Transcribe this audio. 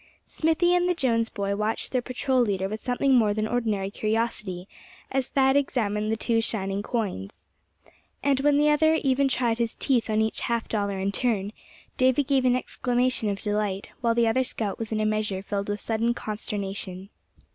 Smithy and the Jones boy watched their patrol leader with something more than ordinary curiosity, as Thad examined the two shining coins. And when the other even tried his teeth on each half dollar in turn, Davy gave an exclamation of delight; while the other scout was in a measure filled with sudden consternation.